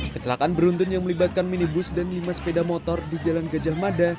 kecelakaan beruntun yang melibatkan minibus dan lima sepeda motor di jalan gajah mada